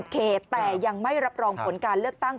เขตแต่ยังไม่รับรองผลการเลือกตั้ง